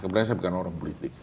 sebenarnya saya bukan orang politik